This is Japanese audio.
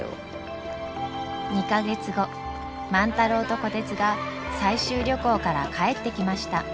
２か月後万太郎と虎鉄が採集旅行から帰ってきました。